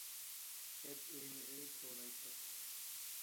دەپ ئۆيمۇ ئۆي توۋلايتتۇق.